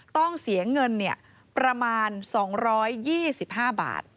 ต้องเสียเงินประมาณ๒๒๕บาท